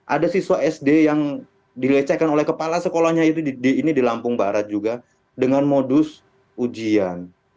ada siswa sd yang dilecehkan oleh kepala sekolahnya itu di lampung barat juga dengan modus ujian